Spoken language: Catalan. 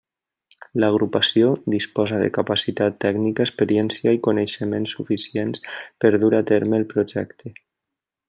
L'agrupació disposa de capacitat tècnica, experiència i coneixements suficients per dur a terme el projecte.